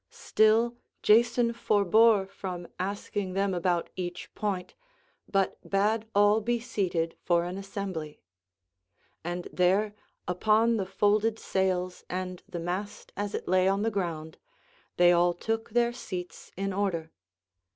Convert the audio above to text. Still Jason forebore from asking them about each point but bade all be seated for an assembly. And there, upon the folded sails and the mast as it lay on the ground, they all took their seats in order.